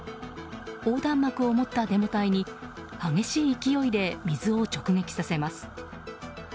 横断幕を持ったデモ隊に激しい勢いで水を直撃させます。